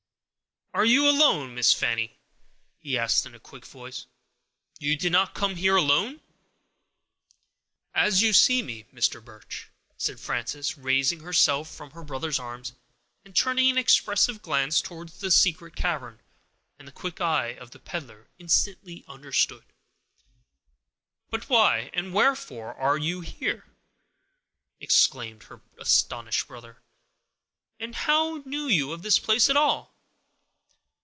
"Are you alone, Miss Fanny?" he asked, in a quick voice. "You did not come here alone?" "As you see me, Mr. Birch," said Frances, raising herself from her brother's arms, and turning an expressive glance towards the secret cavern, that the quick eye of the peddler instantly understood. "But why and wherefore are you here?" exclaimed her astonished brother; "and how knew you of this place at all?"